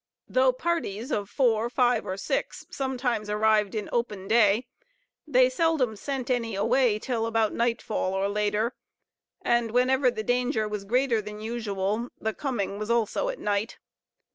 Though parties of four, five or six sometimes arrived in open day, they seldom sent any away till about nightfall or later, and, whenever the danger was greater than usual, the coming was also at night.